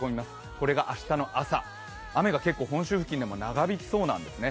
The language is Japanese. これが明日の朝、雨が結構本州付近でも長引きそうなんですね。